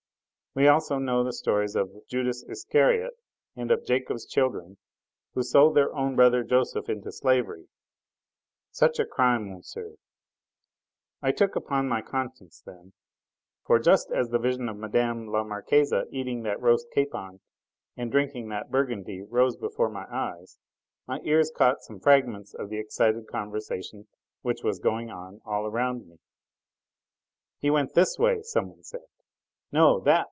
We also know the stories of Judas Iscariot and of Jacob's children who sold their own brother Joseph into slavery such a crime, monsieur, I took upon my conscience then; for just as the vision of Mme. la Marquise eating that roast capon and drinking that Burgundy rose before my eyes, my ears caught some fragments of the excited conversation which was going on all around me. "He went this way!" someone said. "No; that!"